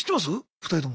２人とも。